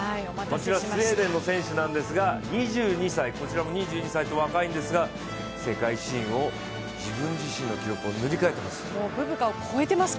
スウェーデンの選手なんですがこちらも２２歳と若いんですが世界新を自分自身の記録を塗り替えてます。